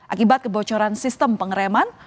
akibat kebocoran sistem pengereman